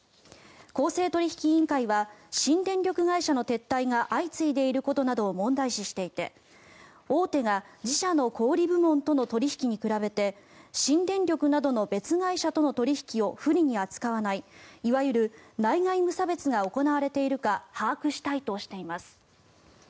公正取引委員会は新電力会社の撤退が相次いでいることなどを問題視していて大手が自社の小売り部門との取引に比べて新電力などの別会社との取引を不利に扱わないいわゆる内外無差別が行われているか把握したいとしています。